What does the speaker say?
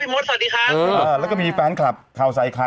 พี่มดสวัสดีครับเออแล้วก็มีแฟนคลับข่าวใส่ใคร